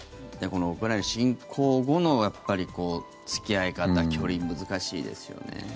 このウクライナ侵攻後の付き合い方、距離難しいですよね。